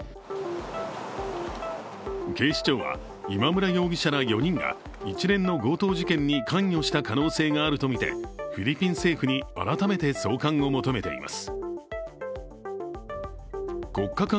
警視庁は今村容疑者ら４人が、一連の強盗事件に関与した可能性があるとみてフィリピン政府に改めて送還を求めています。